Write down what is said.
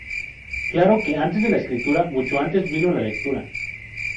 Claro que "antes de la escritura, mucho antes, vino la lectura.